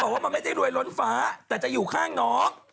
ว่ามันไม่ได้รวยล้นฟ้าแต่จะอยู่ข้างน้อง